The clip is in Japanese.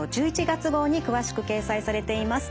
１１月号に詳しく掲載されています。